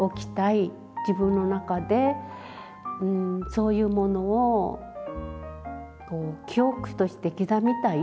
自分の中でそういうものを記憶として刻みたい。